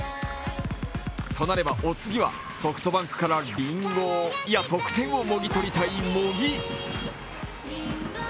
となればお次はソフトバンクからりんごいや得点をもぎ取りたい茂木。